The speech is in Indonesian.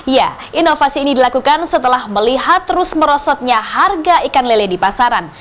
ya inovasi ini dilakukan setelah melihat terus merosotnya harga ikan lele di pasaran